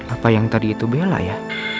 apa yang tadi itu bella ya